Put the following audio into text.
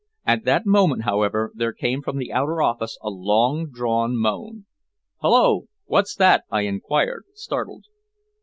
At that moment, however, there came from the outer office a long drawn moan. "Hulloa, what's that?" I enquired, startled.